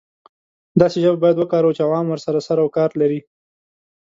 داسې ژبه باید وکاروو چې عوام ورسره سر او کار لري.